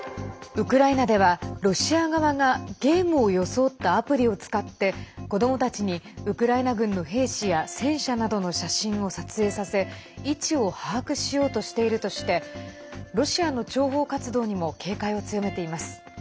ウクライナではロシア側がゲームを装ったアプリを使って子どもたちにウクライナ軍の兵士や戦車などの写真を撮影させ位置を把握しようとしているとしてロシアの諜報活動にも警戒を強めています。